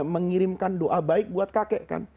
mengirimkan doa baik buat kakek kan